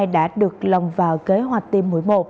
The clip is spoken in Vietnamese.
đã được lòng vào kế hoạch tiêm mũi một